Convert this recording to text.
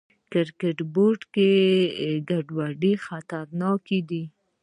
کرکټ بورډ کې ګډوډي خطرناکه ده.